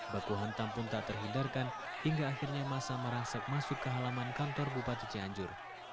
bakuhan tampun tak terhindarkan hingga akhirnya masa merasak masuk ke halaman kantor bupati cianjur